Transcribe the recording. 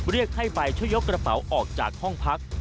เรียกให้ไปช่วยยกกระเป๋าออกจากห้องพัก